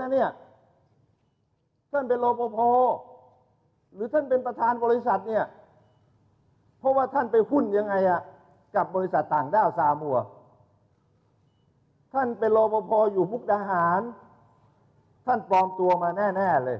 ดูตรงพออยู่บุคดาหารท่านปลอมตัวมาแน่เลย